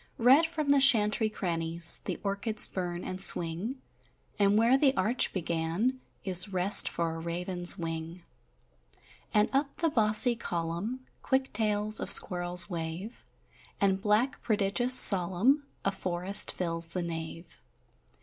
Red from the chantry crannies The orchids burn and swing, And where the arch began is Rest for a raven's wing; And up the bossy column Quick tails of squirrels wave, And black, prodigious, solemn, A forest fills the nave.